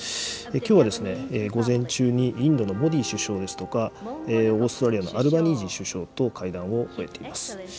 きょうは午前中にインドのモディ首相ですとか、オーストラリアのアルバニージー首相と会談を終えています。